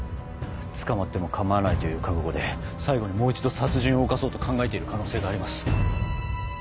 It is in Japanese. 捕まっても構わないという覚悟で最後にもう一度殺人を犯そうと考えている可能性があります。